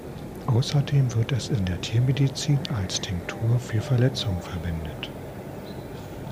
Außerdem wird es in der Tiermedizin als Tinktur für Verletzungen verwendet.